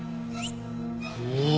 おお！